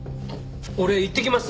俺行ってきます！